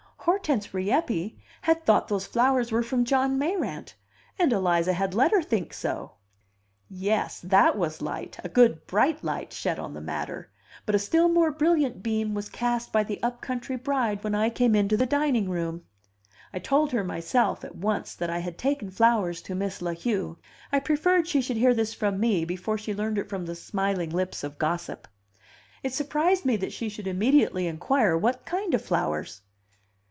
Hortense Rieppe had thought those flowers were from John Mayrant, and Eliza had let her think so. Yes, that was light, a good bright light shed on the matter; but a still more brilliant beam was cast by the up country bride when I came into the dining room. I told her myself, at once, that I had taken flowers to Miss La Heu; I preferred she should hear this from me before she learned it from the smiling lips of gossip. It surprised me that she should immediately inquire what kind of flowers?